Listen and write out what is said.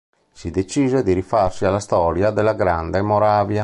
Si decise di rifarsi alla storia della Grande Moravia.